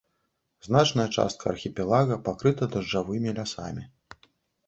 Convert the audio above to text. Значная частка архіпелага пакрыта дажджавымі лясамі.